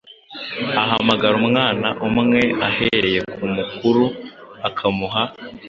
ahamagara umwana umwumwe ahereye ku mukuru akamuha